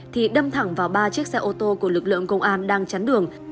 thì đâm thẳng vào ba chiếc xe ô tô của lực lượng công an đang chắn đường